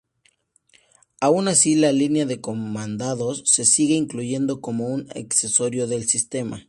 Aun así, la línea de comandos se sigue incluyendo como un accesorio del sistema.